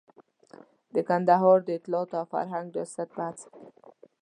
د کندهار د اطلاعاتو او فرهنګ ریاست په هڅه کې.